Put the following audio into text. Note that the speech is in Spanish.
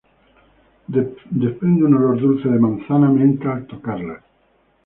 Desprenden un olor dulce de manzana-menta al tocarlas.